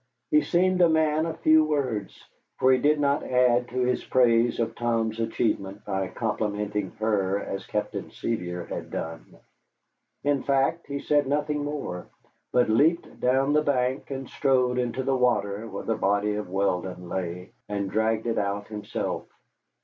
He seemed a man of few words, for he did not add to his praise of Tom's achievement by complimenting her as Captain Sevier had done. In fact, he said nothing more, but leaped down the bank and strode into the water where the body of Weldon lay, and dragged it out himself.